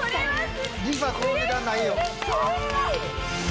リファこの値段ないよ！